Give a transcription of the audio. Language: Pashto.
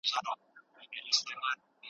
جوماتونه له ځوانانو ډک کړئ.